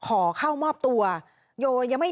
โยยยังไม่มีการแวะนอกเส้นทางลงเขารอบหมดแล้วนะครับ